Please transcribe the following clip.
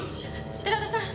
寺田さん